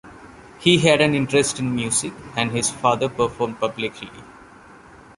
He had an interest in music, and his father performed publicly.